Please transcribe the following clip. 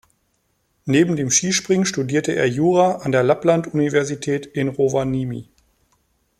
Neben dem Skispringen studierte er Jura an der Lappland-Universität in Rovaniemi.